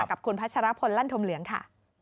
กับคุณพัชรพลลั่นธมเหลืองค่ะ